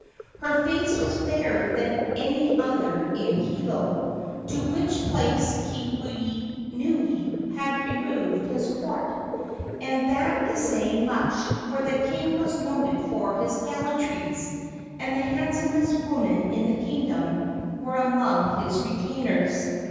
Her face was fairer than any other in Hilo, to which place Keawenui had removed his court; and that is saying much, for the king was noted for his gallantries, and the handsomest women in the kingdom were among his retainers.